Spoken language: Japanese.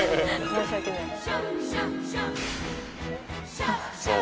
申し訳ない」「そう」